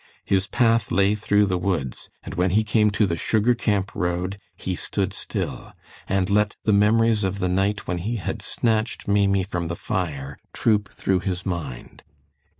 His path lay through the woods, and when he came to the "sugar camp" road, he stood still, and let the memories of the night when he had snatched Maimie from the fire troop through his mind.